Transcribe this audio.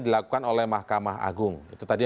dilakukan oleh mahkamah agung itu tadi